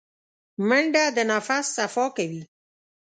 منډه د نفس صفا کوي